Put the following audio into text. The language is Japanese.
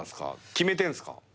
決めてんすか？